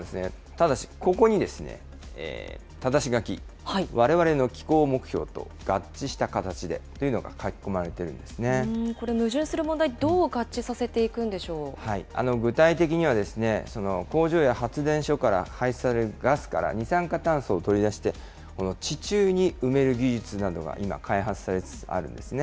ただしここにただし書き、われわれの気候目標と合致した形でというのが書き込まれているんこれ、矛盾する問題、どう合具体的には工場や発電所から排出されるガスから二酸化炭素を取り出して、この地中に埋める技術などが今、開発されつつあるんですね。